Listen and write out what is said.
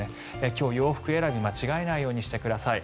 今日、洋服選びを間違えないようにしてください。